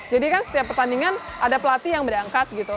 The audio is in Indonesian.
jadi kan setiap pertandingan ada pelatih yang berangkat